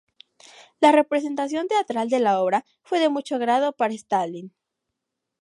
La representación teatral de la obra fue de mucho agrado a Stalin.